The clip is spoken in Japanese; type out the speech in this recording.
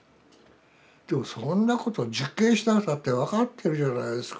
でもそんなこと実験しなくたって分かってるじゃないですか。